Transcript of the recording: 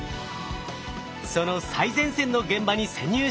その最前線の現場に潜入しました。